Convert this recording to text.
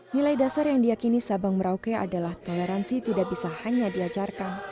nilai dasar yang diakini sabang merauke adalah toleransi tidak bisa hanya diajarkan